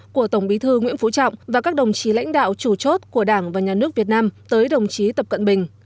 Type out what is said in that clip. của tổng bí thư nguyễn phú trọng và các đồng chí lãnh đạo chủ chốt của đảng và nhà nước việt nam tới đồng chí tập cận bình